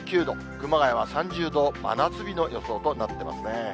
熊谷は３０度、真夏日の予想となってますね。